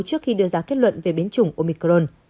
trước khi đưa ra kết luận về biến chủng omicron